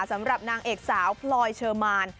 สำหรับนางเอกสาวพลอยเชอร์มาน